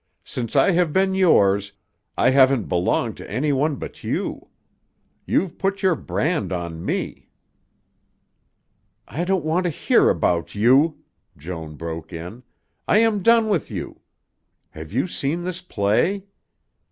Since I have been yours, I haven't belonged to any one but you. You've put your brand on me." "I don't want to hear about you," Joan broke in. "I am done with you. Have you seen this play?"